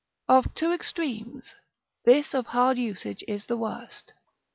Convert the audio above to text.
Of two extremes, this of hard usage is the worst.